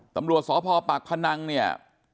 ตำรวจสพปากพนังเนี่ย